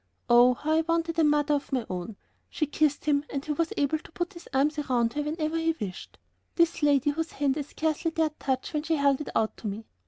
Oh, how I wanted a mother of my own! She kissed him, and he was able to put his arms around her whenever he wished, this lady whose hand I scarcely dared touch when she held it out to me.